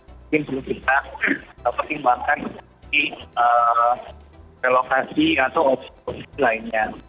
mungkin perlu kita pertimbangkan di relokasi atau opsi lainnya